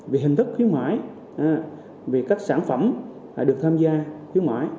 về hình thức khuyến mại về các sản phẩm được tham gia khuyến mại